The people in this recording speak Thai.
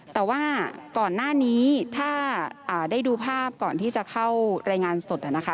แต่ว่าก่อนหน้านี้ถ้าได้ดูภาพก่อนที่จะเข้ารายงานสดนะคะ